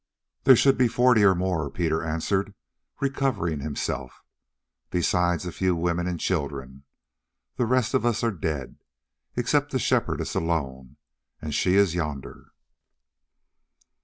"There should be forty or more," Peter answered, recovering himself, "besides a few women and children. The rest of us are dead, except the Shepherdess alone, and she is yonder."